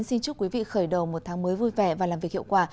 xin chúc quý vị khởi đầu một tháng mới vui vẻ và làm việc hiệu quả